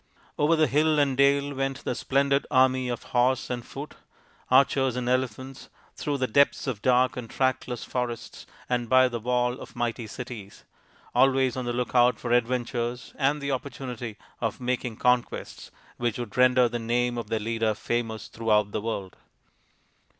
Over hill and dale went the splendid army of horse and foot, archers and elephants, through the depths of dark and trackless forests, and by the walls of mighty cities, always on the look out for adventures and the opportunity of making conquests which would render the name of their leader famous through out the world.